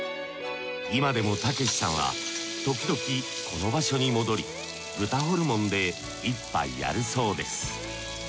今でもたけしさんはときどきこの場所に戻り豚ホルモンで一杯やるそうです